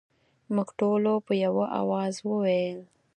موږ ټولو په یوه اواز وویل.